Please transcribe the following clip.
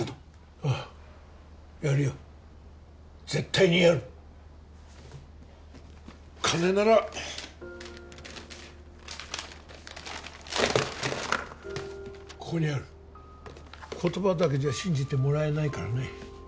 ああやるよ絶対にやる金ならここにある言葉だけじゃ信じてもらえないからね